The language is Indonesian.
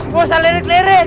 gua salah lirik lirik